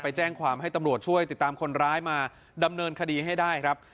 แจ้งความให้ตำรวจช่วยติดตามคนร้ายมาดำเนินคดีให้ได้ครับ